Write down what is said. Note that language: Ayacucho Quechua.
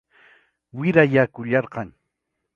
Wirayakullachkan.